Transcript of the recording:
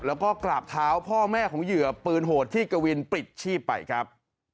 แล้วก็กราบเท้าพ่อแม่ของเหยื่อปืนโหดที่กวินปลิดชีพไปครับ